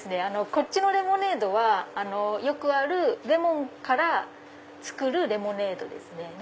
こっちのレモネードはよくあるレモンから作るレモネードです。